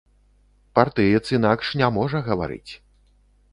Партыец інакш не можа гаварыць.